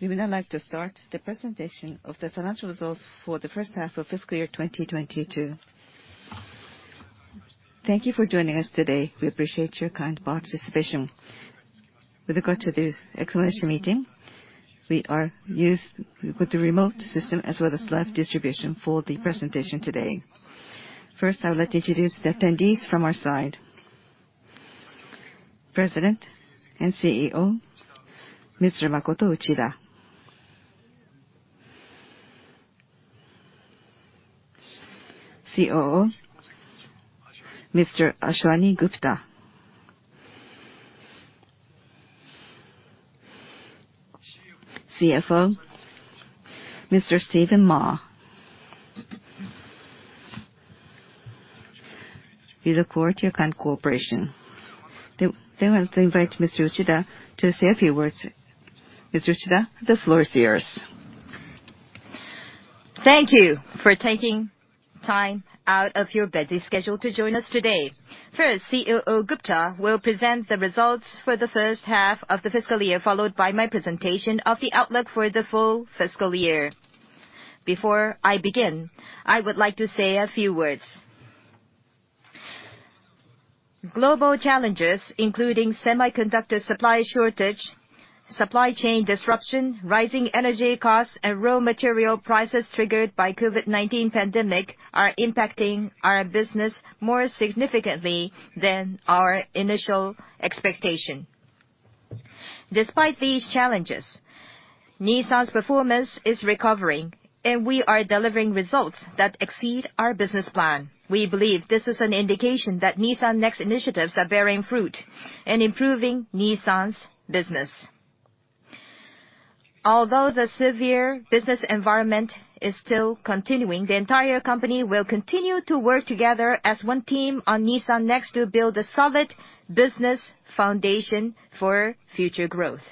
We would now like to start the presentation of the financial results for the first half of fiscal year 2022. Thank you for joining us today. We appreciate your kind participation. With regard to the explanation meeting, with the remote system, as well as live distribution for the presentation today. First, I would like to introduce the attendees from our side. President and CEO, Mr. Makoto Uchida. COO, Mr. Ashwani Gupta. CFO, Mr. Stephen Ma. We look forward to your kind cooperation. We invite Mr. Uchida to say a few words. Mr. Uchida, the floor is yours. Thank you for taking time out of your busy schedule to join us today. First, COO Gupta will present the results for the first half of the fiscal year, followed by my presentation of the outlook for the full fiscal year. Before I begin, I would like to say a few words. Global challenges, including semiconductor supply shortage, supply chain disruption, rising energy costs, and raw material prices triggered by COVID-19 pandemic are impacting our business more significantly than our initial expectation. Despite these challenges, Nissan's performance is recovering, and we are delivering results that exceed our business plan. We believe this is an indication that Nissan NEXT initiatives are bearing fruit and improving Nissan's business. Although the severe business environment is still continuing, the entire company will continue to work together as one team on Nissan NEXT to build a solid business foundation for future growth.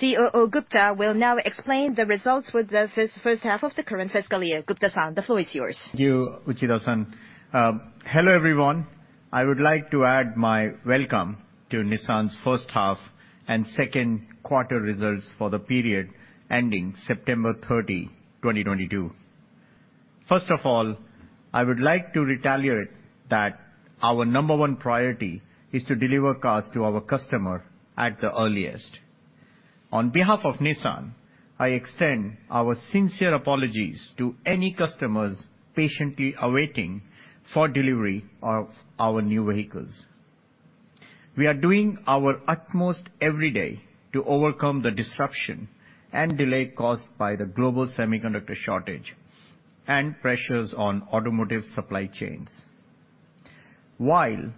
COO Gupta will now explain the results for the first half of the current fiscal year. Gupta-san, the floor is yours. Thank you, Uchida-san. Hello, everyone. I would like to add my welcome to Nissan's first half and second quarter results for the period ending September 30, 2022. First of all, I would like to reiterate that our number one priority is to deliver cars to our customer at the earliest. On behalf of Nissan, I extend our sincere apologies to any customers patiently awaiting for delivery of our new vehicles. We are doing our utmost every day to overcome the disruption and delay caused by the global semiconductor shortage and pressures on automotive supply chains. While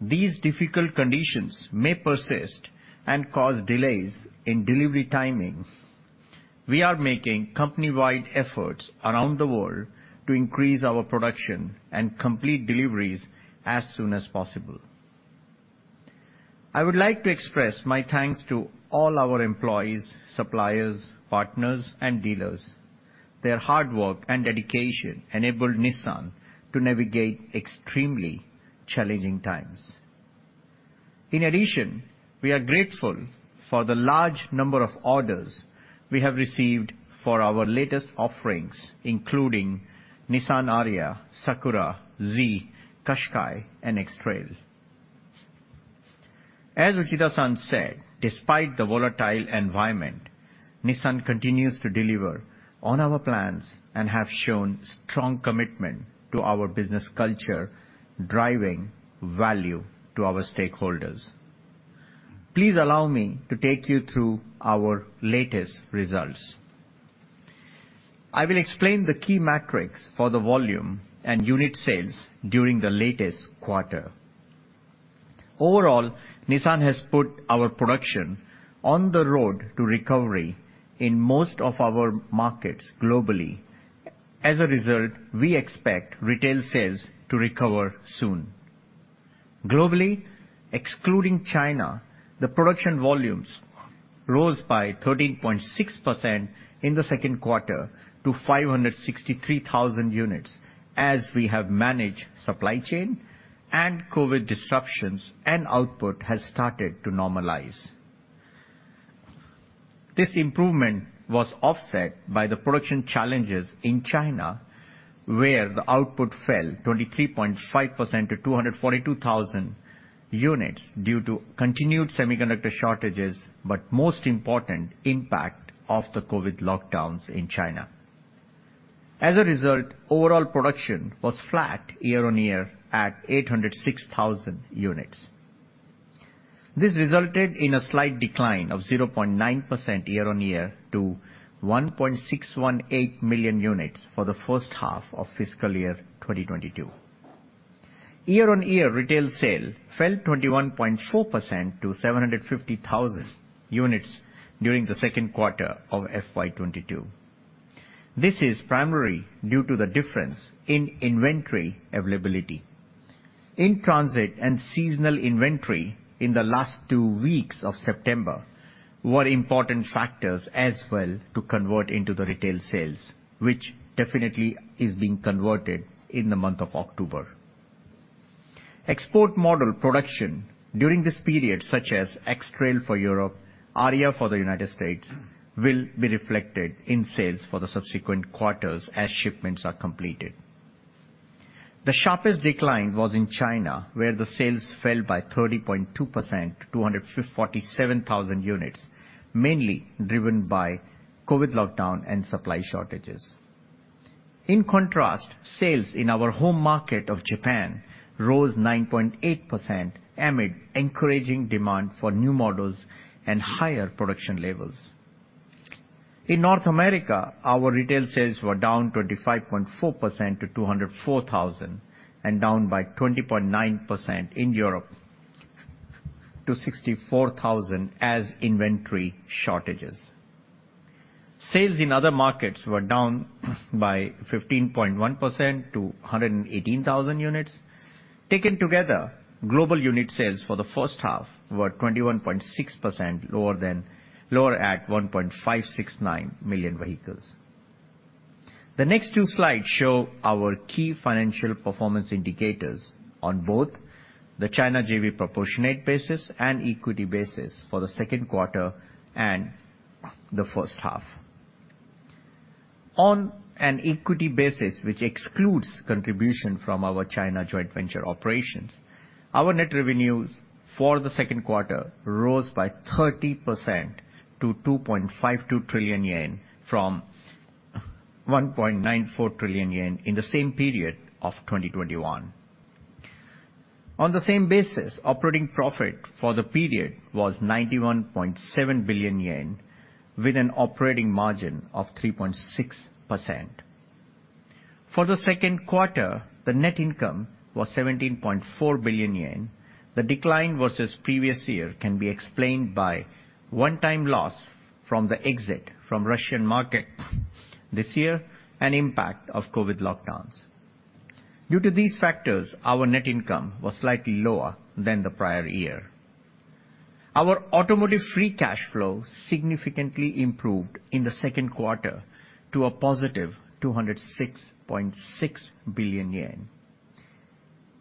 these difficult conditions may persist and cause delays in delivery timing, we are making company-wide efforts around the world to increase our production and complete deliveries as soon as possible. I would like to express my thanks to all our employees, suppliers, partners, and dealers. Their hard work and dedication enabled Nissan to navigate extremely challenging times. In addition, we are grateful for the large number of orders we have received for our latest offerings, including Nissan Ariya, Sakura, Z, Qashqai, and X-Trail. As Uchida-san said, despite the volatile environment, Nissan continues to deliver on our plans and have shown strong commitment to our business culture, driving value to our stakeholders. Please allow me to take you through our latest results. I will explain the key metrics for the volume and unit sales during the latest quarter. Overall, Nissan has put our production on the road to recovery in most of our markets globally. As a result, we expect retail sales to recover soon. Globally, excluding China, the production volumes rose by 13.6% in the second quarter to 563,000 units as we have managed supply chain and COVID disruptions, and output has started to normalize. This improvement was offset by the production challenges in China, where the output fell 23.5% to 242,000 units due to continued semiconductor shortages, but most important, impact of the COVID lockdowns in China. As a result, overall production was flat year-on-year at 806,000 units. This resulted in a slight decline of 0.9% year-on-year to 1.618 million units for the first half of fiscal year 2022. Year-on-year retail sales fell 21.4% to 750,000 units during the second quarter of FY 2022. This is primarily due to the difference in inventory availability. In transit and seasonal inventory in the last two weeks of September were important factors as well to convert into the retail sales, which definitely is being converted in the month of October. Export model production during this period, such as X-Trail for Europe, Ariya for the United States, will be reflected in sales for the subsequent quarters as shipments are completed. The sharpest decline was in China, where the sales fell by 30.2% to 257,000 units, mainly driven by COVID lockdown and supply shortages. In contrast, sales in our home market of Japan rose 9.8% amid encouraging demand for new models and higher production levels. In North America, our retail sales were down 25.4% to 204,000 and down by 20.9% in Europe to 64,000 as inventory shortages. Sales in other markets were down by 15.1% to 118,000 units. Taken together, global unit sales for the first half were 21.6% lower at 1.569 million vehicles. The next two slides show our key financial performance indicators on both the China JV proportionate basis and equity basis for the second quarter and the first half. On an equity basis, which excludes contribution from our China joint venture operations, our net revenues for the second quarter rose by 30% to 2.52 trillion yen from 1.94 trillion yen in the same period of 2021. On the same basis, operating profit for the period was 91.7 billion yen with an operating margin of 3.6%. For the second quarter, the net income was 17.4 billion yen. The decline versus previous year can be explained by one-time loss from the exit from Russian market this year and impact of COVID lockdowns. Due to these factors, our net income was slightly lower than the prior year. Our automotive free cash flow significantly improved in the second quarter to a positive 206.6 billion yen.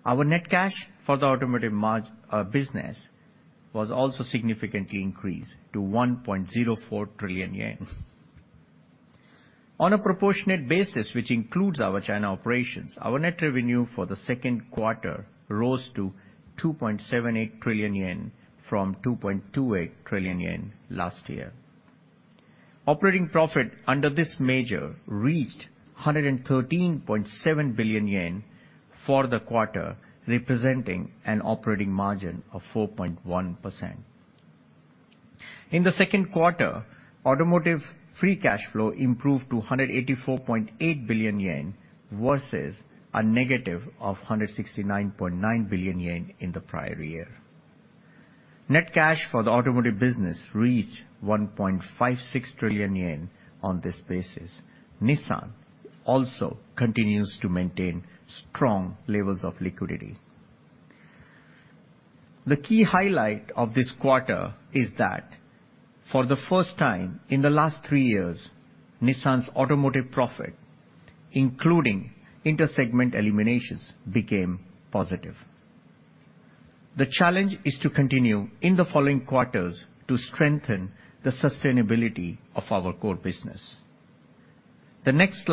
Our net cash for the automotive business was also significantly increased to 1.04 trillion yen. On a proportionate basis, which includes our China operations, our net revenue for the second quarter rose to 2.78 trillion yen from 2.28 trillion yen last year. Operating profit under this measure reached 113.7 billion yen for the quarter, representing an operating margin of 4.1%. In the second quarter, automotive free cash flow improved to 184.8 billion yen versus a negative 169.9 billion yen in the prior year. Net cash for the automotive business reached 1.56 trillion yen on this basis. Nissan also continues to maintain strong levels of liquidity. The key highlight of this quarter is that for the first time in the last three years, Nissan's automotive profit, including inter-segment eliminations, became positive. The challenge is to continue in the following quarters to strengthen the sustainability of our core business. The next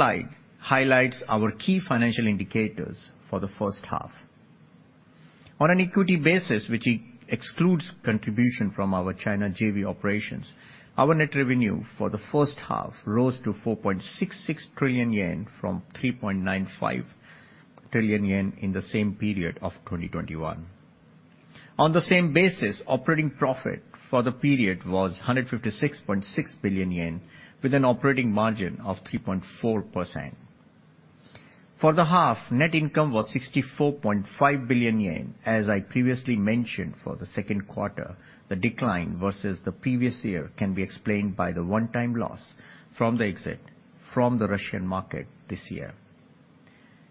slide highlights our key financial indicators for the first half. On an equity basis, which excludes contribution from our China JV operations, our net revenue for the first half rose to 4.66 trillion yen from 3.95 trillion yen in the same period of 2021. On the same basis, operating profit for the period was 156.6 billion yen with an operating margin of 3.4%. For the half, net income was 64.5 billion yen. As I previously mentioned for the second quarter, the decline versus the previous year can be explained by the one-time loss from the exit from the Russian market this year.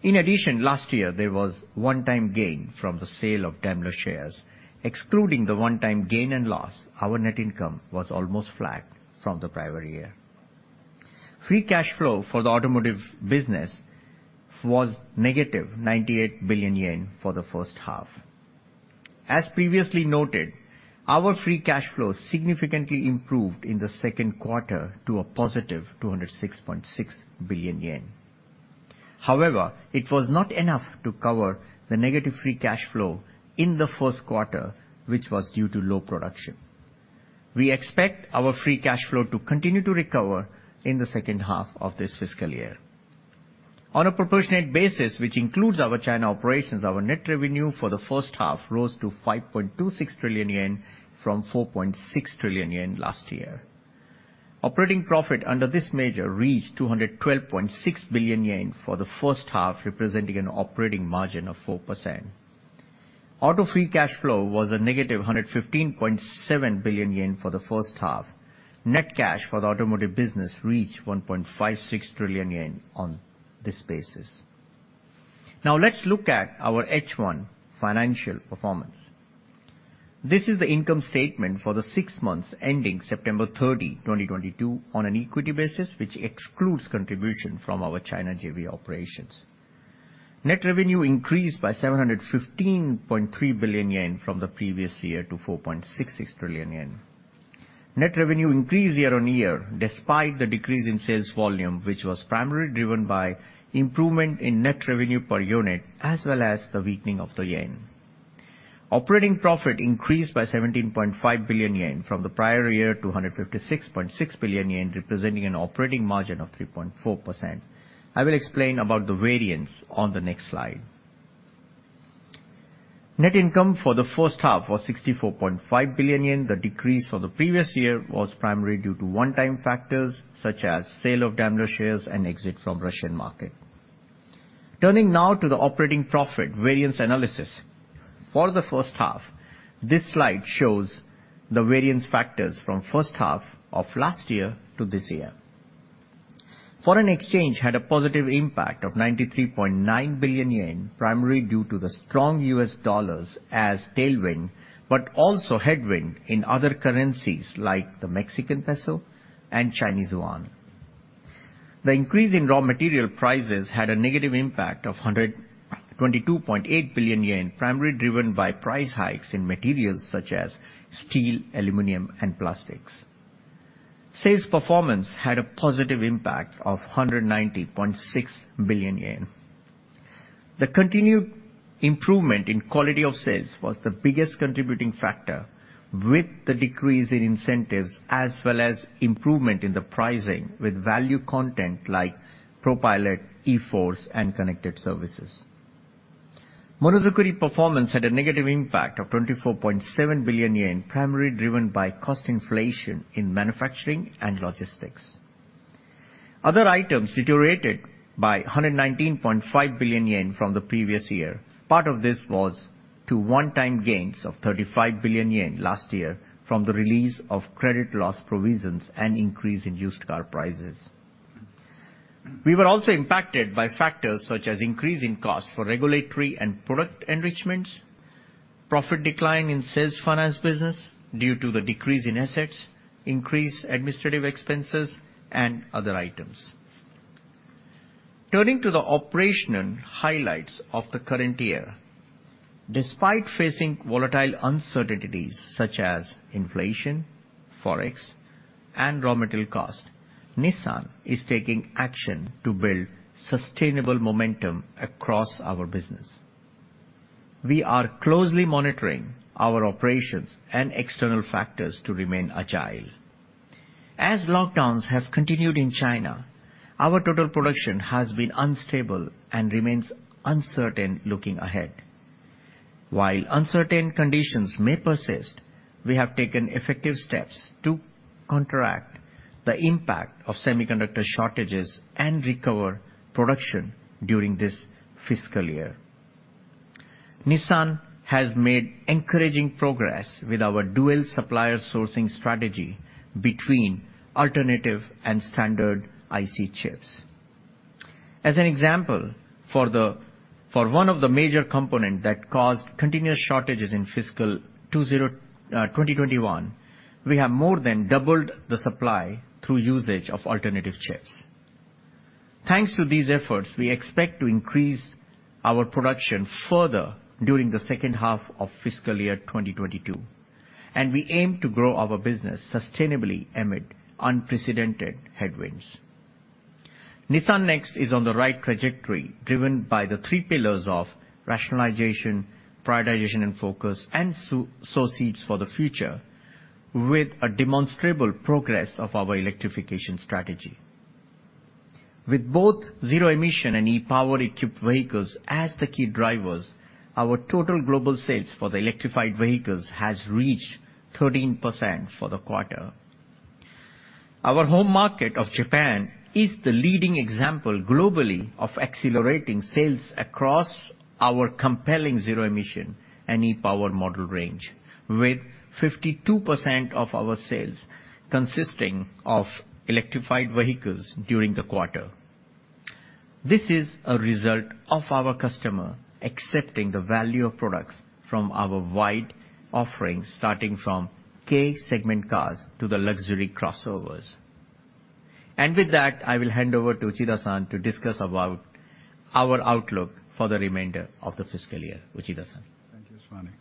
In addition, last year, there was one-time gain from the sale of Daimler shares. Excluding the one-time gain and loss, our net income was almost flat from the prior year. Free cash flow for the automotive business was -98 billion yen for the first half. As previously noted, our free cash flow significantly improved in the second quarter to 206.6 billion yen. However, it was not enough to cover the negative free cash flow in the first quarter, which was due to low production. We expect our free cash flow to continue to recover in the second half of this fiscal year. On a proportionate basis, which includes our China operations, our net revenue for the first half rose to 5.26 trillion yen from 4.6 trillion yen last year. Operating profit under this measure reached 212.6 billion yen for the first half, representing an operating margin of 4%. Automotive free cash flow was -115.7 billion yen for the first half. Net cash for the automotive business reached 1.56 trillion yen on this basis. Now let's look at our H1 financial performance. This is the income statement for the six months ending September 30, 2022, on an equity basis, which excludes contribution from our China JV operations. Net revenue increased by 715.3 billion yen from the previous year to 4.66 trillion yen. Net revenue increased year-on-year despite the decrease in sales volume, which was primarily driven by improvement in net revenue per unit, as well as the weakening of the yen. Operating profit increased by 17.5 billion yen from the prior year to 156.6 billion yen, representing an operating margin of 3.4%. I will explain about the variance on the next slide. Net income for the first half was 64.5 billion yen. The decrease from the previous year was primarily due to one-time factors, such as sale of Daimler shares and exit from Russian market. Turning now to the operating profit variance analysis. For the first half, this slide shows the variance factors from first half of last year to this year. Foreign exchange had a positive impact of 93.9 billion yen, primarily due to the strong US dollar as tailwind, but also headwind in other currencies, like the Mexican peso and Chinese yuan. The increase in raw material prices had a negative impact of 122.8 billion yen, primarily driven by price hikes in materials such as steel, aluminum, and plastics. Sales performance had a positive impact of 190.6 billion yen. The continued improvement in quality of sales was the biggest contributing factor with the decrease in incentives, as well as improvement in the pricing with value content like ProPILOT, e-4ORCE, and connected services. Monozukuri performance had a negative impact of 24.7 billion yen, primarily driven by cost inflation in manufacturing and logistics. Other items deteriorated by 119.5 billion yen from the previous year. Part of this was versus one-time gains of 35 billion yen last year from the release of credit loss provisions and increase in used car prices. We were also impacted by factors such as increase in cost for regulatory and product enrichments, profit decline in sales finance business due to the decrease in assets, increased administrative expenses, and other items. Turning to the operational highlights of the current year. Despite facing volatile uncertainties such as inflation, Forex, and raw material cost, Nissan is taking action to build sustainable momentum across our business. We are closely monitoring our operations and external factors to remain agile. As lockdowns have continued in China, our total production has been unstable and remains uncertain looking ahead. While uncertain conditions may persist, we have taken effective steps to contract the impact of semiconductor shortages and recover production during this fiscal year. Nissan has made encouraging progress with our dual supplier sourcing strategy between alternative and standard IC chips. As an example, for one of the major component that caused continuous shortages in fiscal 2020, 2021, we have more than doubled the supply through usage of alternative chips. Thanks to these efforts, we expect to increase our production further during the second half of fiscal year 2022, and we aim to grow our business sustainably amid unprecedented headwinds. Nissan NEXT is on the right trajectory driven by the three pillars of rationalization, prioritization and focus, and sow seeds for the future with a demonstrable progress of our electrification strategy. With both zero emission and e-POWER equipped vehicles as the key drivers, our total global sales for the electrified vehicles has reached 13% for the quarter. Our home market of Japan is the leading example globally of accelerating sales across our compelling zero-emission and e-POWER model range, with 52% of our sales consisting of electrified vehicles during the quarter. This is a result of our customer accepting the value of products from our wide offerings, starting from Kei cars to the luxury crossovers. With that, I will hand over to Uchida-san to discuss about our outlook for the remainder of the fiscal year. Uchida-san. Thank you, Ashwani. Turning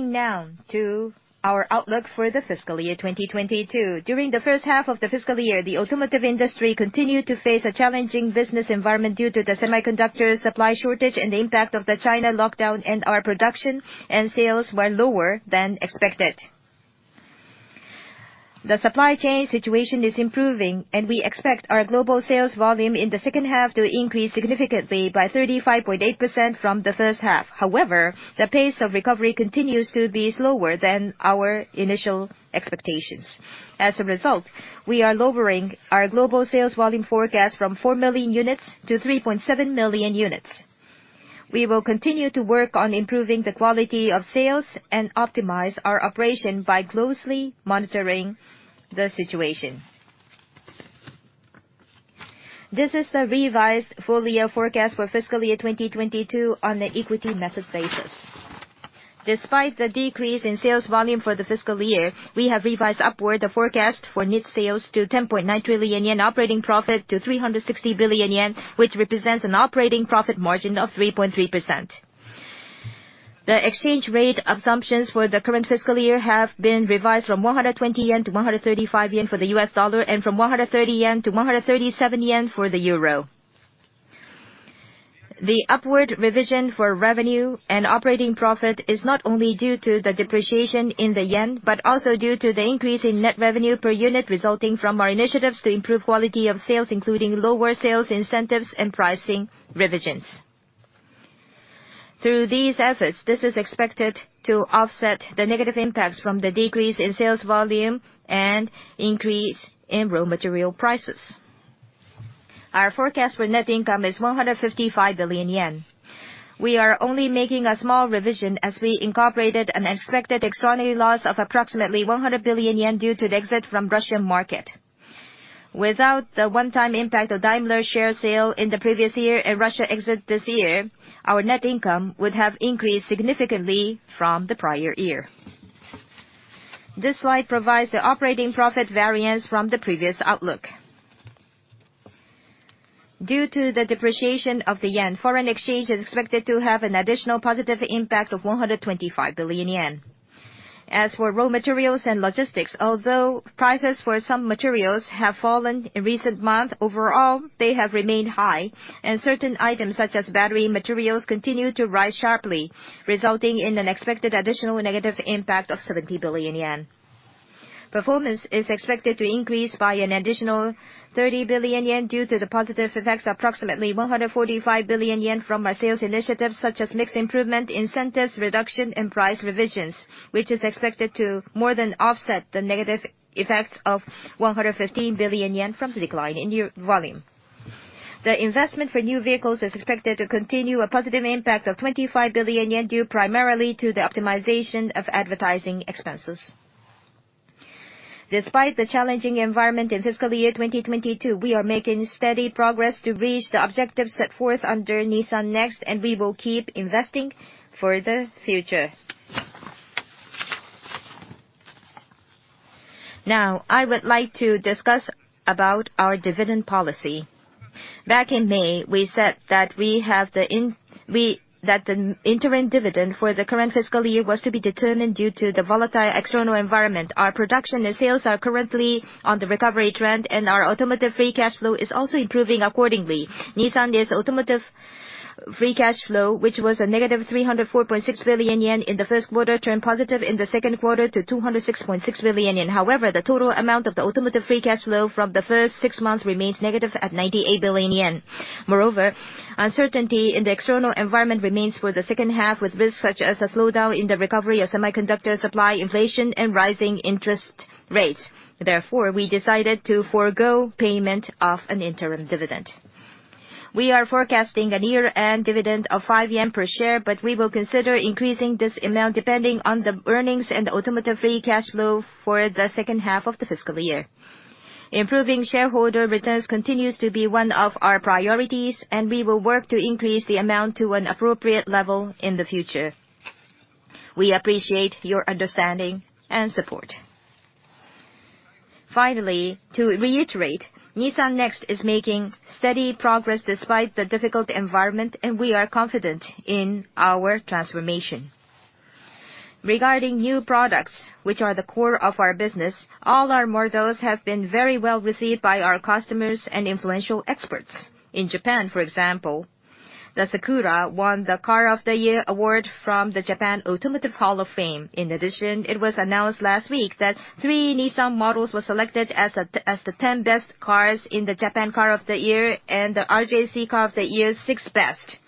now to our outlook for the fiscal year 2022. During the first half of the fiscal year, the automotive industry continued to face a challenging business environment due to the semiconductor supply shortage and the impact of the China lockdown, and our production and sales were lower than expected. The supply chain situation is improving, and we expect our global sales volume in the second half to increase significantly by 35.8% from the first half. However, the pace of recovery continues to be slower than our initial expectations. As a result, we are lowering our global sales volume forecast from 4 million units to 3.7 million units. We will continue to work on improving the quality of sales and optimize our operation by closely monitoring the situation. This is the revised full-year forecast for fiscal year 2022 on the equity method basis. Despite the decrease in sales volume for the fiscal year, we have revised upward the forecast for net sales to 10.9 trillion yen, operating profit to 360 billion yen, which represents an operating profit margin of 3.3%. The exchange rate assumptions for the current fiscal year have been revised from 120 yen to 135 yen for the US dollar and from 130 yen to 137 yen for the euro. The upward revision for revenue and operating profit is not only due to the depreciation in the yen, but also due to the increase in net revenue per unit resulting from our initiatives to improve quality of sales, including lower sales incentives and pricing revisions. Through these efforts, this is expected to offset the negative impacts from the decrease in sales volume and increase in raw material prices. Our forecast for net income is 155 billion yen. We are only making a small revision as we incorporated an expected extraordinary loss of approximately 100 billion yen due to the exit from Russian market. Without the one-time impact of Daimler share sale in the previous year and Russia exit this year, our net income would have increased significantly from the prior year. This slide provides the operating profit variance from the previous outlook. Due to the depreciation of the yen, foreign exchange is expected to have an additional positive impact of 125 billion yen. As for raw materials and logistics, although prices for some materials have fallen in recent month, overall, they have remained high, and certain items such as battery materials continue to rise sharply, resulting in an expected additional negative impact of JPY 70 billion. Performance is expected to increase by an additional 30 billion yen due to the positive effects of approximately 145 billion yen from our sales initiatives such as mix improvement, incentives reduction, and price revisions, which is expected to more than offset the negative effects of 115 billion yen from the decline in year volume. The investment for new vehicles is expected to continue a positive impact of 25 billion yen due primarily to the optimization of advertising expenses. Despite the challenging environment in fiscal year 2022, we are making steady progress to reach the objectives set forth under Nissan NEXT, and we will keep investing for the future. Now I would like to discuss about our dividend policy. Back in May, we said that the interim dividend for the current fiscal year was to be determined due to the volatile external environment. Our production and sales are currently on the recovery trend, and our automotive free cash flow is also improving accordingly. Nissan's automotive free cash flow, which was -304.6 billion yen in the first quarter, turned positive in the second quarter to 206.6 billion yen. However, the total amount of the automotive free cash flow from the first six months remains negative at 98 billion yen. Moreover, uncertainty in the external environment remains for the second half, with risks such as a slowdown in the recovery of semiconductor supply, inflation, and rising interest rates. Therefore, we decided to forgo payment of an interim dividend. We are forecasting a year-end dividend of 5 yen per share, but we will consider increasing this amount depending on the earnings and automotive free cash flow for the second half of the fiscal year. Improving shareholder returns continues to be one of our priorities, and we will work to increase the amount to an appropriate level in the future. We appreciate your understanding and support. Finally, to reiterate, Nissan NEXT is making steady progress despite the difficult environment, and we are confident in our transformation. Regarding new products, which are the core of our business, all our models have been very well received by our customers and influential experts. In Japan, for example, the Sakura won the Car of the Year award from the Japan Automotive Hall of Fame. In addition, it was announced last week that three Nissan models were selected as the 10 best cars in the Car of the Year Japan and the RJC Car of the Year six best.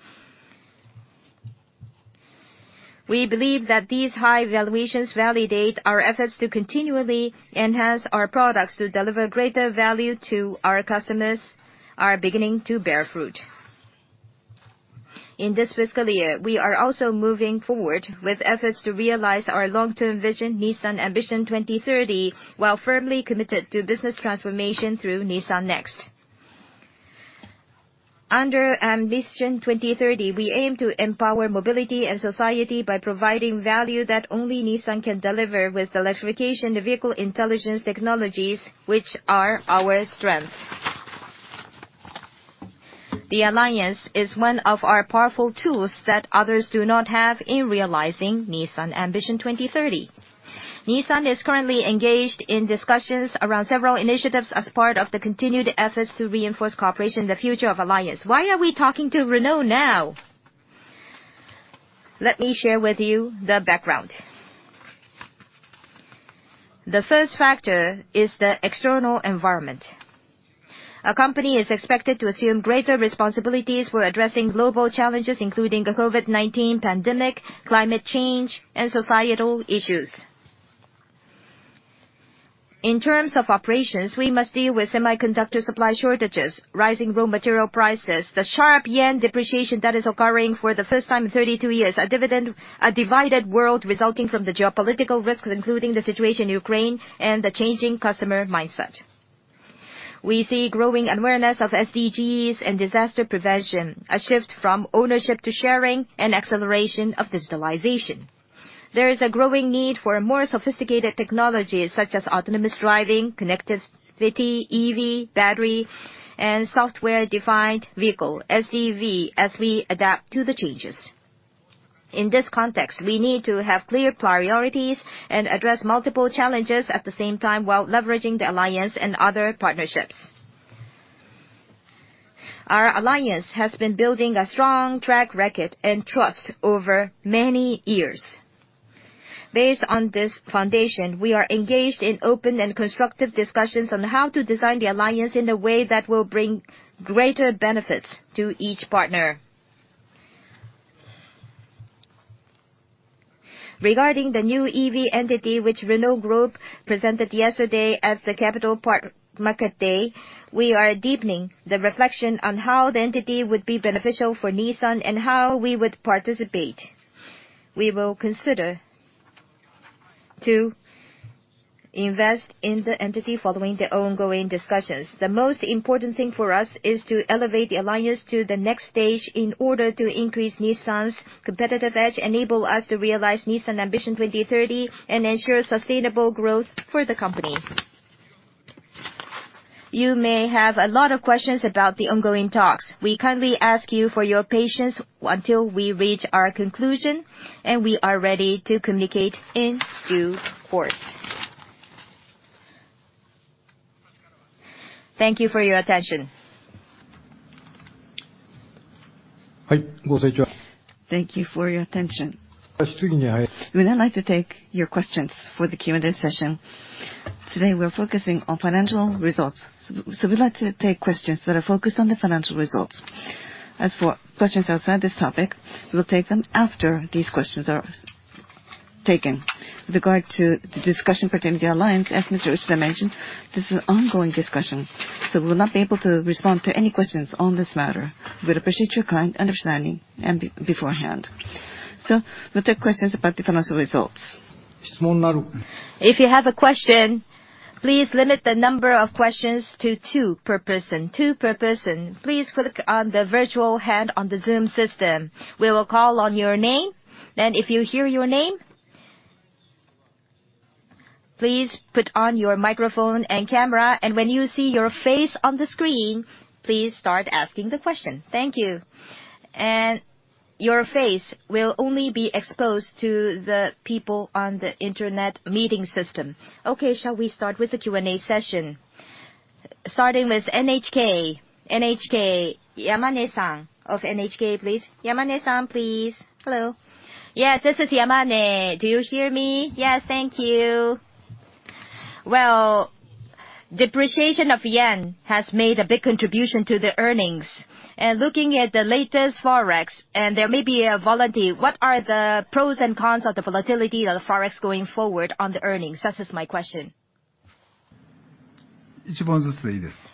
We believe that these high valuations validate our efforts to continually enhance our products to deliver greater value to our customers, are beginning to bear fruit. In this fiscal year, we are also moving forward with efforts to realize our long-term vision, Nissan Ambition 2030, while firmly committed to business transformation through Nissan NEXT. Under Ambition 2030, we aim to empower mobility and society by providing value that only Nissan can deliver with electrification vehicle intelligence technologies, which are our strength. The alliance is one of our powerful tools that others do not have in realizing Nissan Ambition 2030. Nissan is currently engaged in discussions around several initiatives as part of the continued efforts to reinforce cooperation in the future of alliance. Why are we talking to Renault now? Let me share with you the background. The first factor is the external environment. A company is expected to assume greater responsibilities for addressing global challenges, including the COVID-19 pandemic, climate change, and societal issues. In terms of operations, we must deal with semiconductor supply shortages, rising raw material prices, the sharp yen depreciation that is occurring for the first time in 32 years, a divided world resulting from the geopolitical risks, including the situation in Ukraine and the changing customer mindset. We see growing awareness of SDGs and disaster prevention, a shift from ownership to sharing and acceleration of digitalization. There is a growing need for more sophisticated technologies such as autonomous driving, connectivity, EV, battery, and software-defined vehicle, SDV, as we adapt to the changes. In this context, we need to have clear priorities and address multiple challenges at the same time while leveraging the alliance and other partnerships. Our alliance has been building a strong track record and trust over many years. Based on this foundation, we are engaged in open and constructive discussions on how to design the alliance in a way that will bring greater benefits to each partner. Regarding the new EV entity which Renault Group presented yesterday at the Capital Markets Day, we are deepening the reflection on how the entity would be beneficial for Nissan and how we would participate. We will consider to invest in the entity following the ongoing discussions. The most important thing for us is to elevate the alliance to the next stage in order to increase Nissan's competitive edge, enable us to realize Nissan Ambition 2030, and ensure sustainable growth for the company. You may have a lot of questions about the ongoing talks. We kindly ask you for your patience until we reach our conclusion, and we are ready to communicate in due course. Thank you for your attention. Thank you for your attention. We would then like to take your questions for the Q&A session. Today, we're focusing on financial results, so we'd like to take questions that are focused on the financial results. As for questions outside this topic, we'll take them after these questions are taken. With regard to the discussion pertaining to the alliance, as Mr. Uchida mentioned, this is an ongoing discussion, so we'll not be able to respond to any questions on this matter. We'd appreciate your kind understanding in advance. We'll take questions about the financial results. If you have a question, please limit the number of questions to 2 per person, 2 per person. Please click on the virtual hand on the Zoom system. We will call on your name, and if you hear your name, please put on your microphone and camera. When you see your face on the screen, please start asking the question. Thank you. Your face will only be exposed to the people on the internet meeting system. Okay, shall we start with the Q&A session? Starting with NHK. NHK, Yamane-san of NHK, please. Yamane-san, please. Hello. Yes, this is Yamane. Do you hear me? Yes, thank you. Well, depreciation of yen has made a big contribution to the earnings. Looking at the latest Forex, and there may be a volatility, what are the pros and cons of the volatility of the Forex going forward on the earnings? That is my question.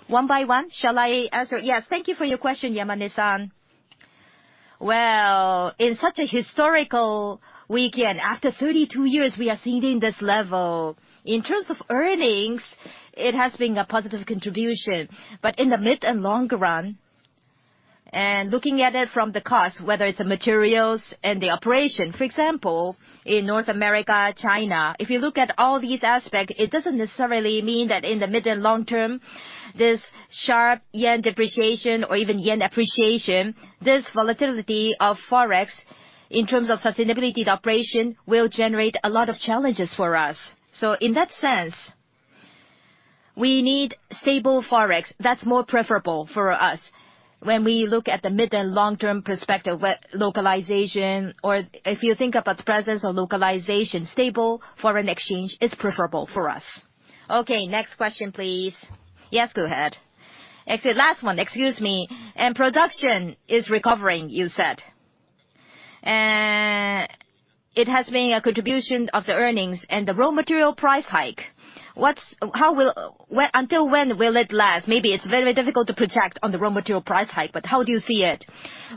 One by one, shall I answer? Yes. Thank you for your question, Yamane-san. Well, in such a historical weekend, after 32 years, we are seeing this level. In terms of earnings, it has been a positive contribution. In the mid and longer run, and looking at it from the cost, whether it's the materials and the operation, for example, in North America, China, if you look at all these aspects, it doesn't necessarily mean that in the mid and long term, this sharp yen depreciation or even yen appreciation, this volatility of Forex in terms of sustainability of operation will generate a lot of challenges for us. In that sense, we need stable Forex. That's more preferable for us when we look at the mid and long-term perspective, localization, or if you think about the presence of localization, stable foreign exchange is preferable for us. Okay, next question, please. Yes, go ahead. Exit. Last one. Excuse me. Production is recovering, you said. It has been a contribution of the earnings and the raw material price hike. How will it last? Until when will it last? Maybe it's very difficult to project on the raw material price hike, but how do you see it?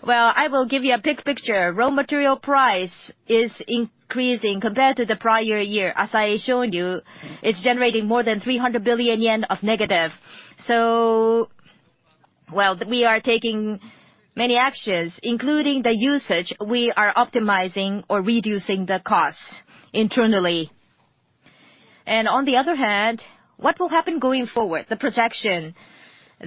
Well, I will give you a big picture. Raw material price is increasing compared to the prior year. As I showed you, it's generating more than 300 billion yen of negative. Well, we are taking many actions, including the usage. We are optimizing or reducing the costs internally. On the other hand, what will happen going forward, the projection?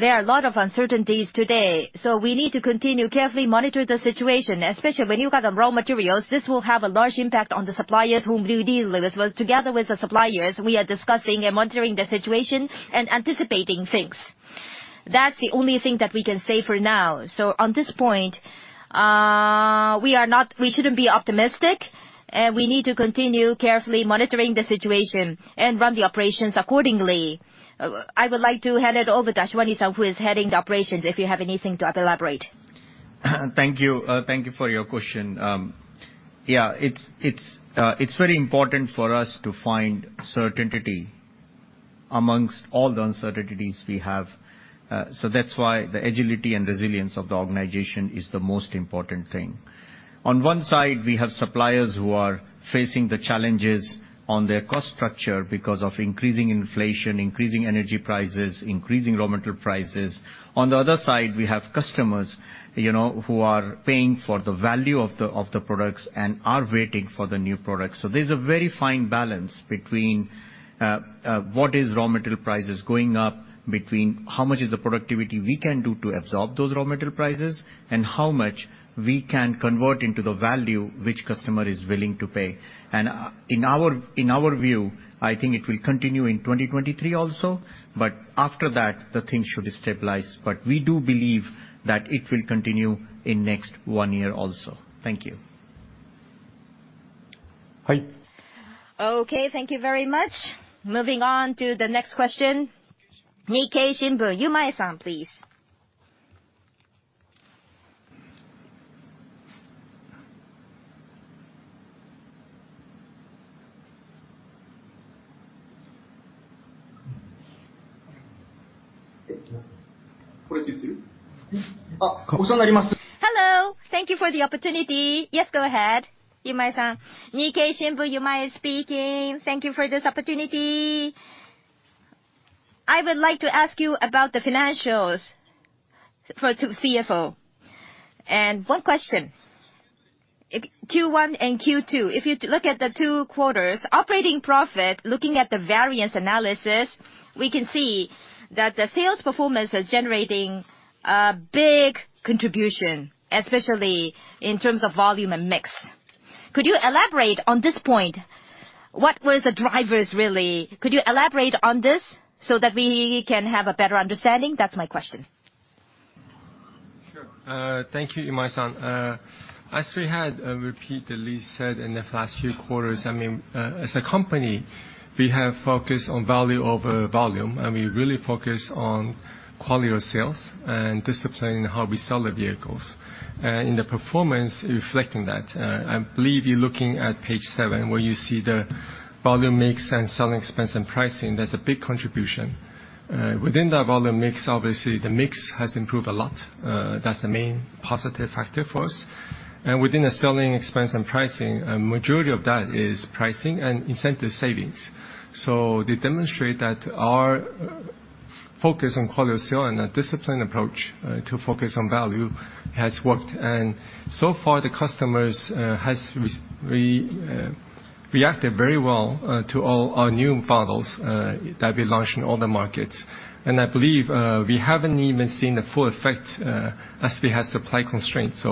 There are a lot of uncertainties today, so we need to continue carefully monitor the situation, especially when you've got the raw materials, this will have a large impact on the suppliers whom we deal with. Well, together with the suppliers, we are discussing and monitoring the situation and anticipating things. That's the only thing that we can say for now. On this point, we shouldn't be optimistic, and we need to continue carefully monitoring the situation and run the operations accordingly. I would like to hand it over to Ashwani-san, who is heading the operations, if you have anything to elaborate. Thank you. Thank you for your question. Yeah, it's very important for us to find certainty among all the uncertainties we have. That's why the agility and resilience of the organization is the most important thing. On one side, we have suppliers who are facing the challenges on their cost structure because of increasing inflation, increasing energy prices, increasing raw material prices. On the other side, we have customers, you know, who are paying for the value of the products and are waiting for the new products. There's a very fine balance between what is raw material prices going up, between how much is the productivity we can do to absorb those raw material prices, and how much we can convert into the value which customer is willing to pay. In our view, I think it will continue in 2023 also, but after that, the things should stabilize. We do believe that it will continue in next one year also. Thank you. Hai. Okay, thank you very much. Moving on to the next question. Nihon Keizai Shimbun, Yuzawa-san, please. Hello. Thank you for the opportunity. Yes, go ahead. Yuzawa-san. Nihon Keizai Shimbun, Yuzawa speaking. Thank you for this opportunity. I would like to ask you about the financials to the CFO. One question, Q1 and Q2, if you look at the two quarters, operating profit, looking at the variance analysis, we can see that the sales performance is generating a big contribution, especially in terms of volume and mix. Could you elaborate on this point? What was the drivers really? Could you elaborate on this so that we can have a better understanding? That's my question. Sure. Thank you, Yuzawa-san. As we had repeatedly said in the last few quarters, I mean, as a company, we have focused on value over volume, and we really focus on quality of sales and discipline in how we sell the vehicles. In the performance reflecting that, I believe you're looking at page seven, where you see the volume mix and selling expense and pricing. That's a big contribution. Within that volume mix, obviously the mix has improved a lot. That's the main positive factor for us. Within the selling expense and pricing, a majority of that is pricing and incentive savings. They demonstrate that our focus on quality of sale and a disciplined approach to focus on value has worked. So far the customers has reacted very well to all our new models that we launched in all the markets. I believe we haven't even seen the full effect as we have supply constraints.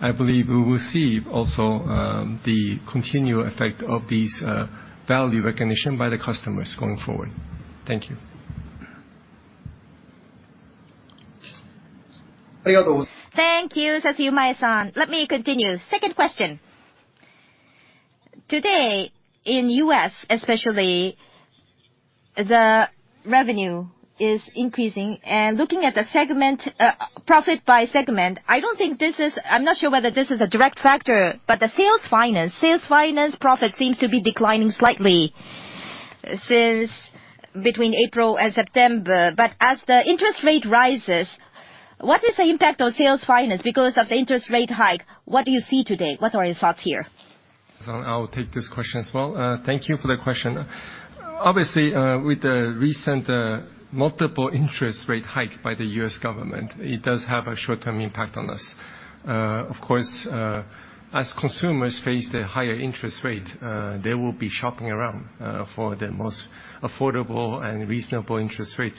I believe we will see also the continued effect of these value recognition by the customers going forward. Thank you. Thank you, Stephen Ma-san. Let me continue. Second question. Today, in U.S. especially, the revenue is increasing. Looking at the segment profit by segment, I'm not sure whether this is a direct factor, but the sales finance profit seems to be declining slightly since between April and September. As the interest rate rises, what is the impact on sales finance because of the interest rate hike? What do you see today? What are your thoughts here? I will take this question as well. Thank you for the question. Obviously, with the recent multiple interest rate hike by the U.S. government, it does have a short-term impact on us. Of course, as consumers face the higher interest rate, they will be shopping around for the most affordable and reasonable interest rate.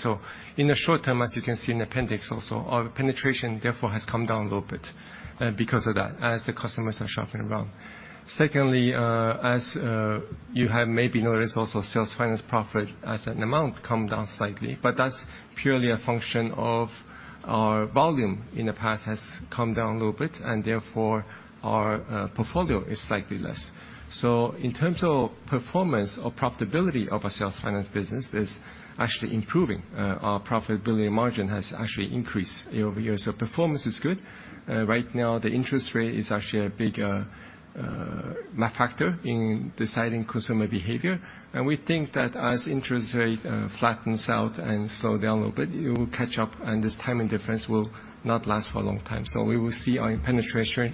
In the short term, as you can see in appendix also, our penetration therefore has come down a little bit because of that, as the customers are shopping around. Secondly, as you have maybe noticed also sales finance profit as an amount come down slightly, but that's purely a function of our volume in the past has come down a little bit and therefore our portfolio is slightly less. In terms of performance or profitability of our sales finance business is actually improving. Our profitability margin has actually increased year over year, so performance is good. Right now the interest rate is actually a big main factor in deciding consumer behavior. We think that as interest rate flattens out and slow down a little bit, it will catch up and this timing difference will not last for a long time. We will see our penetration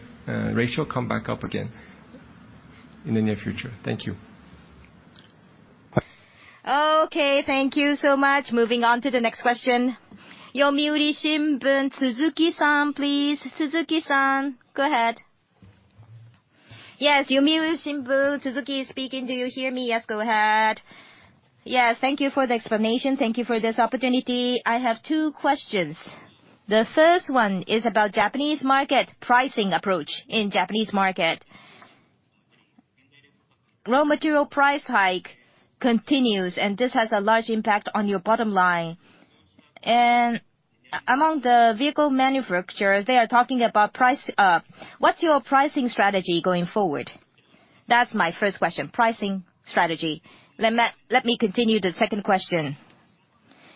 ratio come back up again in the near future. Thank you. Hi. Okay, thank you so much. Moving on to the next question. Yomiuri Shimbun, Suzuki-san, please. Suzuki-san, go ahead. Yes, Yomiuri Shimbun, Suzuki speaking. Do you hear me? Yes, go ahead. Yes, thank you for the explanation. Thank you for this opportunity. I have two questions. The first one is about Japanese market pricing approach in Japanese market. Raw material price hike continues, and this has a large impact on your bottom line. Among the vehicle manufacturers, they are talking about price. What's your pricing strategy going forward? That's my first question, pricing strategy. Let me continue the second question.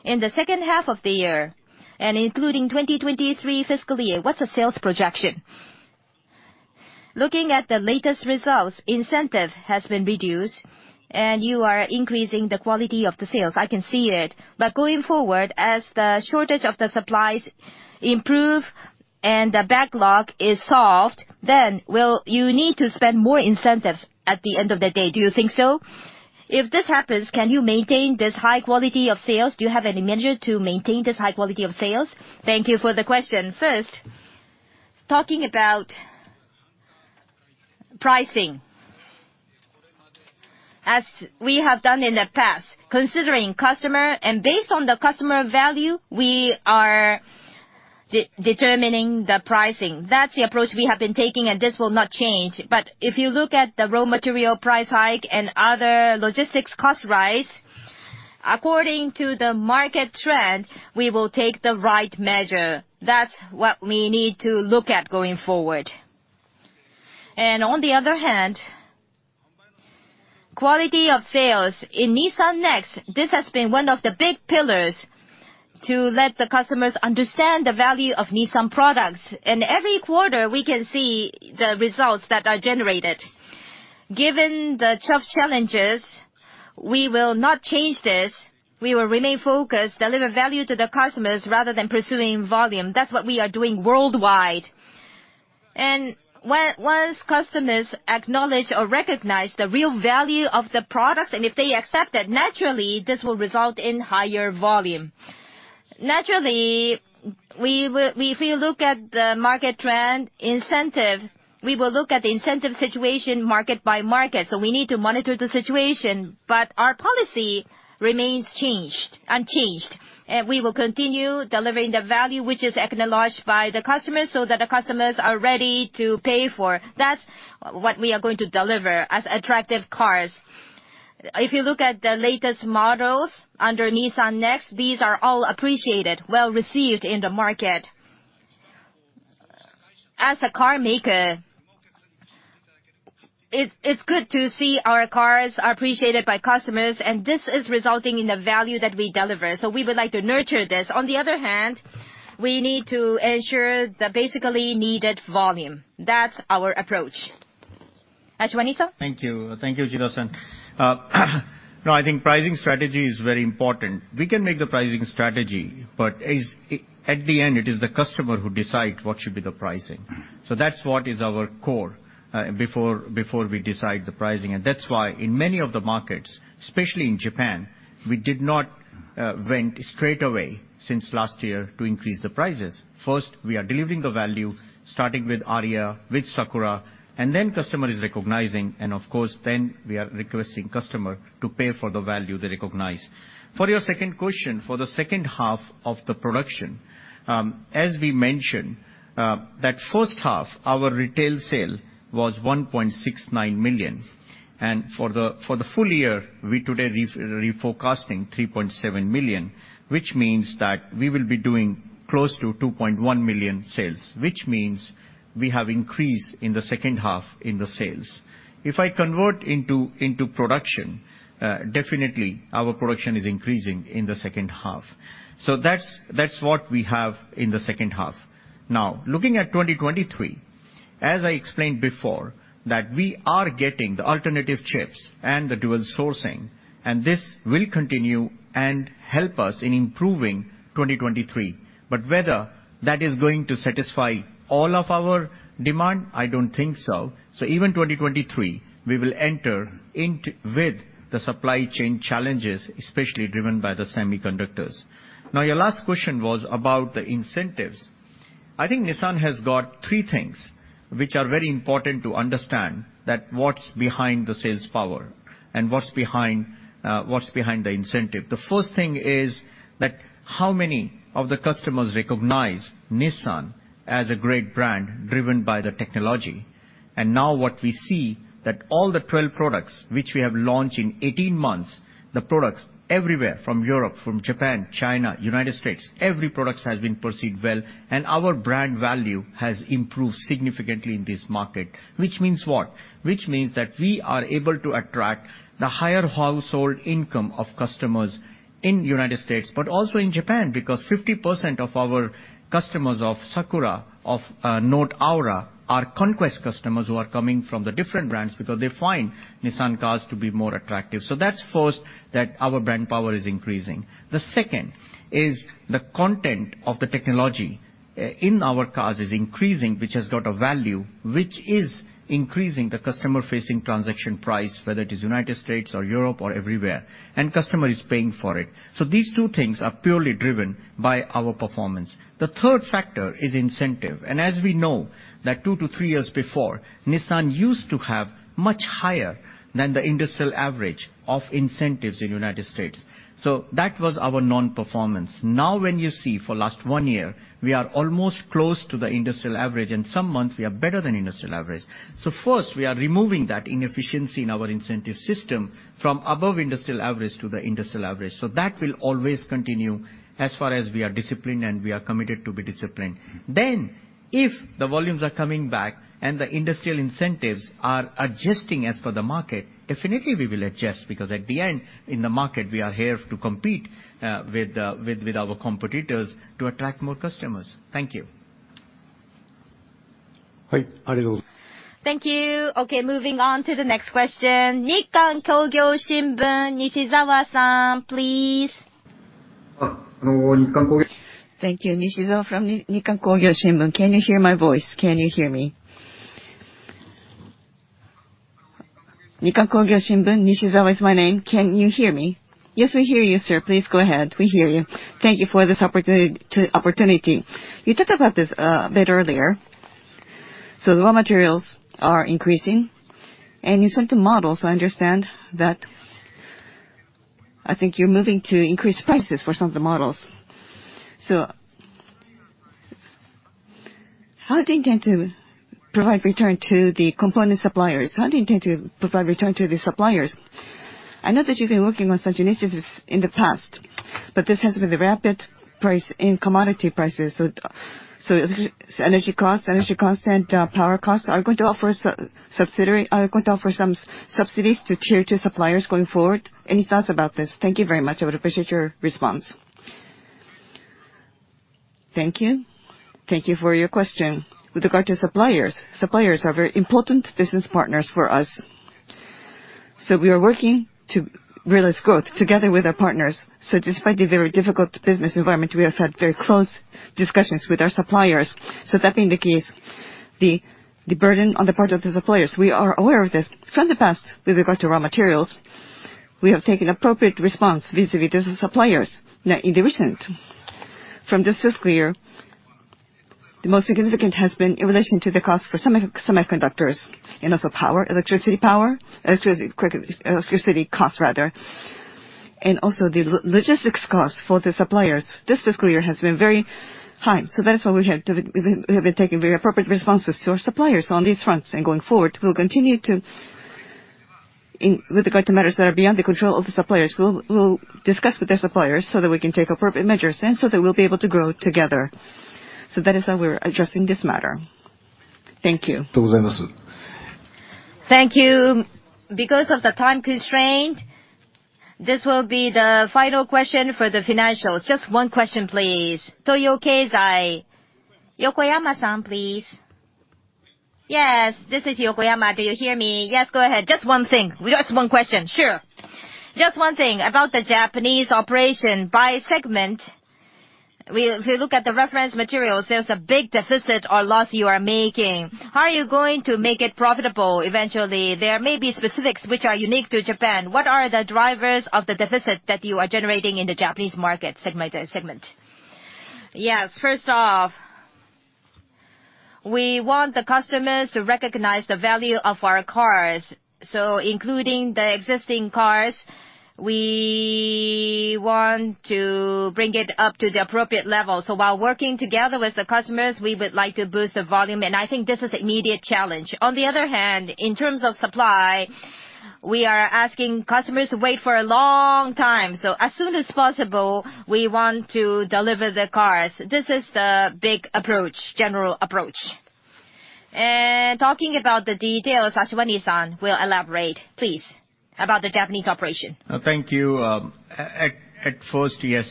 In the second half of the year and including 2023 fiscal year, what's the sales projection? Looking at the latest results, incentive has been reduced and you are increasing the quality of the sales, I can see it. Going forward, as the shortage of the supplies improve and the backlog is solved, then will you need to spend more incentives at the end of the day? Do you think so? If this happens, can you maintain this high quality of sales? Do you have any measure to maintain this high quality of sales? Thank you for the question. First, talking about pricing. As we have done in the past, considering customer and based on the customer value, we are determining the pricing. That's the approach we have been taking, and this will not change. If you look at the raw material price hike and other logistics cost rise, according to the market trend, we will take the right measure. That's what we need to look at going forward. On the other hand, quality of sales in Nissan NEXT, this has been one of the big pillars to let the customers understand the value of Nissan products. Every quarter, we can see the results that are generated. Given the tough challenges, we will not change this. We will remain focused, deliver value to the customers rather than pursuing volume. That's what we are doing worldwide. Once customers acknowledge or recognize the real value of the products, and if they accept it, naturally this will result in higher volume. Naturally, we will look at the market trend and incentive, we will look at the incentive situation market by market. We need to monitor the situation, but our policy remains unchanged. We will continue delivering the value which is acknowledged by the customers so that the customers are ready to pay for. That's what we are going to deliver as attractive cars. If you look at the latest models under Nissan NEXT, these are all appreciated, well-received in the market. As a carmaker, it's good to see our cars are appreciated by customers, and this is resulting in the value that we deliver. We would like to nurture this. On the other hand, we need to ensure the basically needed volume. That's our approach. Ashwani-san? Thank you. Thank you, Uchida-san. Now I think pricing strategy is very important. We can make the pricing strategy, but at the end, it is the customer who decide what should be the pricing. So that's what is our core, before we decide the pricing. That's why in many of the markets, especially in Japan, we did not went straight away since last year to increase the prices. First, we are delivering the value, starting with Ariya, with Sakura, and then customer is recognizing, and of course, then we are requesting customer to pay for the value they recognize. For your second question, for the second half of the production, as we mentioned, that first half, our retail sale was 1.69 million. For the full year, we today refocusing 3.7 million, which means that we will be doing close to 2.1 million sales, which means we have increased in the second half in the sales. If I convert into production, definitely our production is increasing in the second half. That's what we have in the second half. Now, looking at 2023, as I explained before, that we are getting the alternative chips and the dual sourcing, and this will continue and help us in improving 2023. But whether that is going to satisfy all of our demand, I don't think so. Even 2023, we will enter with the supply chain challenges, especially driven by the semiconductors. Now, your last question was about the incentives. I think Nissan has got three things which are very important to understand that what's behind the sales power and what's behind, what's behind the incentive. The first thing is that how many of the customers recognize Nissan as a great brand driven by the technology. Now what we see that all the 12 products which we have launched in 18 months, the products everywhere from Europe, from Japan, China, United States, every product has been perceived well, and our brand value has improved significantly in this market. Which means what? Which means that we are able to attract the higher household income of customers in United States, but also in Japan, because 50% of our customers of Sakura, of Note Aura are conquest customers who are coming from the different brands because they find Nissan cars to be more attractive. That's first, that our brand power is increasing. The second is the content of the technology in our cars is increasing, which has got a value, which is increasing the customer-facing transaction price, whether it is United States or Europe or everywhere, and customer is paying for it. These two things are purely driven by our performance. The third factor is incentive, and as we know that 2-3 years before, Nissan used to have much higher than the industry average of incentives in United States. That was our non-performance. Now, when you see for last one year, we are almost close to the industry average, and some months we are better than industry average. First, we are removing that inefficiency in our incentive system from above industry average to the industry average. As far as we are disciplined, and we are committed to be disciplined. If the volumes are coming back and the industrial incentives are adjusting as per the market, definitely we will adjust, because at the end, in the market, we are here to compete with our competitors to attract more customers. Thank you. Thank you. Okay, moving on to the next question. Nikkan Kogyo Shimbun, Nishizawa-san, please. Thank you. Nishizawa from Nikkan Kogyo Shimbun. Can you hear my voice? Can you hear me? Nikkan Kogyo Shimbun, Nishizawa is my name. Can you hear me? Yes, we hear you, sir. Please go ahead. We hear you. Thank you for this opportunity. You talked about this a bit earlier. The raw materials are increasing, and in some of the models, I understand that I think you're moving to increase prices for some of the models. How do you intend to provide return to the component suppliers? How do you intend to provide return to the suppliers? I know that you've been working on such initiatives in the past, but this has been a rapid rise in commodity prices. Energy costs and power costs, are you going to offer some subsidies to tier two suppliers going forward? Any thoughts about this? Thank you very much. I would appreciate your response. Thank you for your question. With regard to suppliers are very important business partners for us, so we are working to realize growth together with our partners. Despite the very difficult business environment, we have had very close discussions with our suppliers. That being the case, the burden on the part of the suppliers, we are aware of this. From the past, with regard to raw materials, we have taken appropriate response vis-a-vis the suppliers. Now, in the recent, from this fiscal year, the most significant has been in relation to the cost for semiconductors and also power, electricity cost rather, and also the logistics cost for the suppliers. This fiscal year has been very high, so that's why we have been taking very appropriate responses to our suppliers on these fronts. Going forward, we'll continue to with regard to matters that are beyond the control of the suppliers, we'll discuss with the suppliers so that we can take appropriate measures, and so that we'll be able to grow together. That is how we're addressing this matter. Thank you. Thank you. Because of the time constraint, this will be the final question for the financials. Just one question, please. Tokyo Keizai, Yokoyama-san, please. Yes, this is Yokoyama. Do you hear me? Yes, go ahead. Just one thing. Just one question. Sure. Just one thing. About the Japanese operation by segment, we, if you look at the reference materials, there's a big deficit or loss you are making. How are you going to make it profitable eventually? There may be specifics which are unique to Japan. What are the drivers of the deficit that you are generating in the Japanese market segment? Yes. First off, we want the customers to recognize the value of our cars. Including the existing cars, we want to bring it up to the appropriate level. While working together with the customers, we would like to boost the volume, and I think this is immediate challenge. On the other hand, in terms of supply, we are asking customers to wait for a long time. As soon as possible, we want to deliver the cars. This is the big approach, general approach. Talking about the details, Ashwani-san will elaborate, please, about the Japanese operation. Thank you. At first, the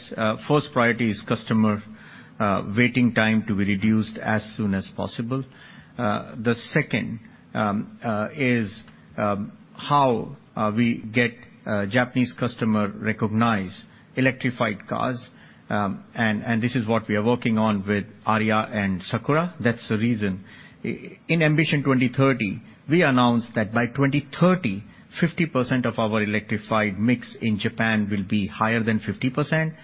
first priority is customer waiting time to be reduced as soon as possible. The second is how we get Japanese customer recognize electrified cars. This is what we are working on with Ariya and Sakura. That's the reason. In Ambition 2030, we announced that by 2030, 50% of our electrified mix in Japan will be higher than 50%.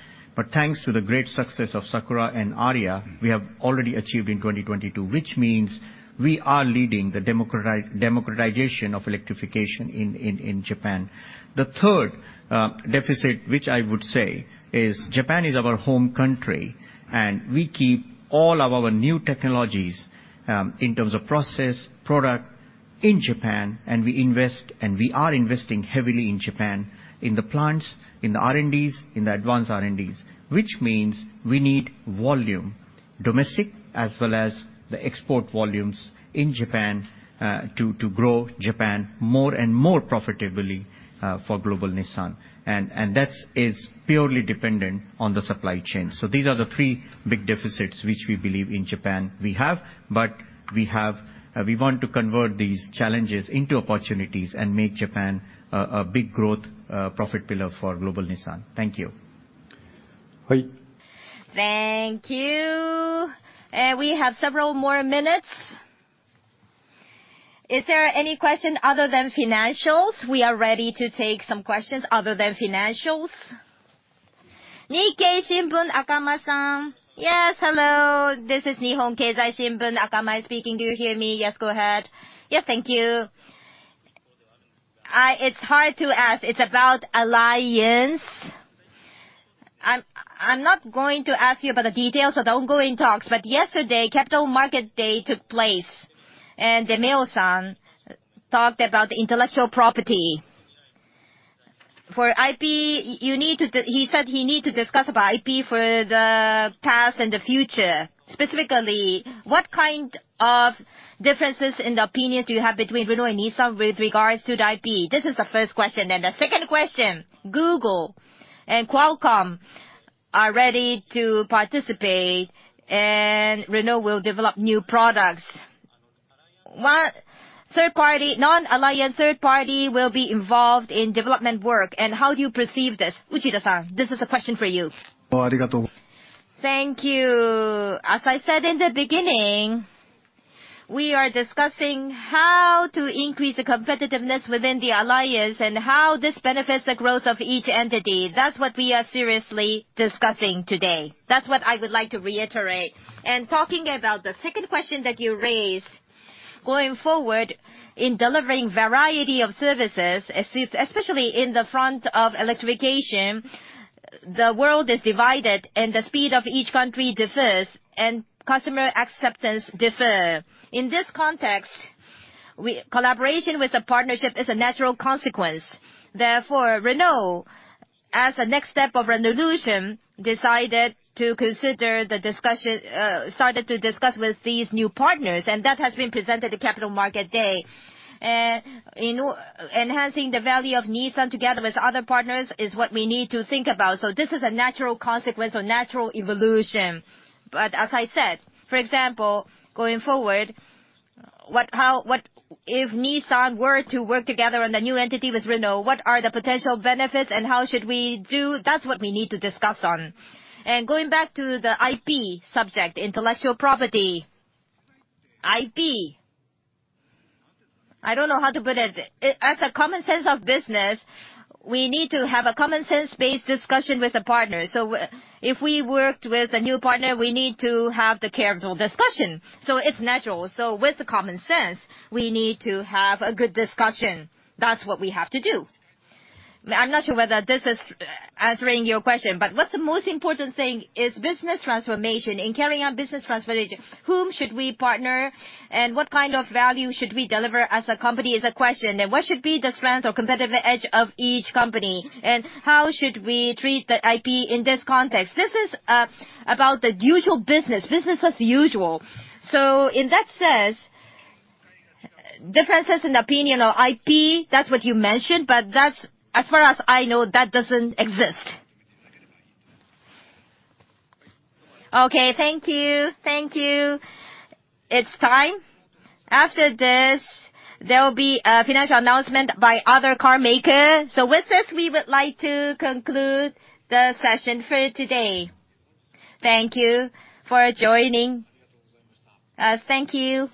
Thanks to the great success of Sakura and Ariya, we have already achieved in 2022, which means we are leading the democratization of electrification in Japan. The third deficit, which I would say is Japan is our home country, and we keep all of our new technologies, in terms of process, product, in Japan, and we invest, and we are investing heavily in Japan, in the plants, in the R&D, in the advanced R&D, which means we need volume, domestic as well as the export volumes in Japan, to grow Japan more and more profitably, for global Nissan. That is purely dependent on the supply chain. These are the three big deficits which we believe in Japan we have, but we want to convert these challenges into opportunities and make Japan a big growth profit pillar for global Nissan. Thank you. Thank you. We have several more minutes. Is there any question other than financials? We are ready to take some questions other than financials. Nikkei Shimbun, Akama-san. Yes, hello. This is Nihon Keizai Shimbun, Akama speaking. Do you hear me? Yes, go ahead. Yes, thank you. It's hard to ask. It's about alliance. I'm not going to ask you about the details of the ongoing talks, but yesterday, Capital Market Day took place. de Meo-san Talked about the intellectual property. For IP, he said he need to discuss about IP for the past and the future. Specifically, what kind of differences in the opinions do you have between Renault and Nissan with regards to the IP? This is the first question. The second question, Google and Qualcomm are ready to participate, and Renault will develop new products. One, third party, non-alliance third party will be involved in development work, and how do you perceive this? Uchida-san, this is a question for you. Thank you. As I said in the beginning, we are discussing how to increase the competitiveness within the alliance and how this benefits the growth of each entity. That's what we are seriously discussing today. That's what I would like to reiterate. Talking about the second question that you raised, going forward, in delivering variety of services, especially in the forefront of electrification, the world is divided, and the speed of each country differs, and customer acceptance differ. In this context, collaboration with a partnership is a natural consequence. Therefore, Renault, as a next step of Renaulution, decided to consider the discussion, started to discuss with these new partners, and that has been presented at Capital Markets Day. You know, enhancing the value of Nissan together with other partners is what we need to think about, so this is a natural consequence or natural evolution. But as I said, for example, going forward, what, how. If Nissan were to work together on the new entity with Renault, what are the potential benefits, and how should we do? That's what we need to discuss on. Going back to the IP subject, intellectual property, IP. I don't know how to put it. As a common sense of business, we need to have a common sense-based discussion with a partner. If we worked with a new partner, we need to have the careful discussion, so it's natural. With the common sense, we need to have a good discussion. That's what we have to do. I'm not sure whether this is answering your question, but what's the most important thing is business transformation. In carrying out business transformation, whom should we partner and what kind of value should we deliver as a company is a question. What should be the strength or competitive edge of each company, and how should we treat the IP in this context? This is about the usual business. Business as usual. In that sense, differences in opinion on IP, that's what you mentioned, but that's, as far as I know, that doesn't exist. Okay. Thank you. Thank you. It's time. After this, there will be a financial announcement by other carmaker. With this, we would like to conclude the session for today. Thank you for joining. Thank you.